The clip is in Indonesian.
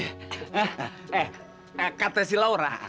eh kata si laura